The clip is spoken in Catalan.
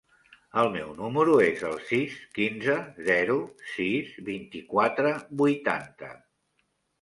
El meu número es el sis, quinze, zero, sis, vint-i-quatre, vuitanta.